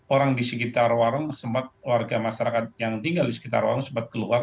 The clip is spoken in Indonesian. orang di sekitar warung sempat warga masyarakat yang tinggal di sekitar warung sempat keluar